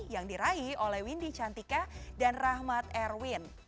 yang diraih oleh windy cantika dan rahmat erwin